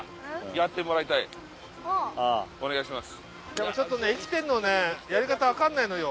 やっぱちょっとね生きてんのねやり方分かんないのよ。